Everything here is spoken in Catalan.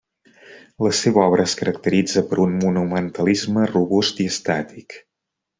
La seva obra es caracteritza per un monumentalisme robust i estàtic.